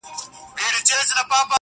چي ښخ کړی یې پلټن وو د یارانو-